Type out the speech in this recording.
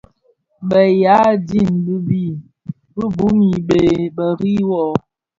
Bèè yaà dig bì di bum bê rì wôô.